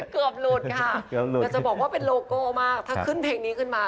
เกือบหลุดค่ะแต่จะบอกว่าเป็นโลโก้มากถ้าขึ้นเพลงนี้ขึ้นมา